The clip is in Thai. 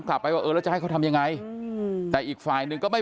กลับไปว่าเออแล้วจะให้เขาทำยังไงอืมแต่อีกฝ่ายหนึ่งก็ไม่